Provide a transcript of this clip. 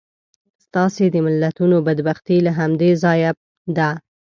ستاسې د ملتونو بدبختي له همدې ځایه ده.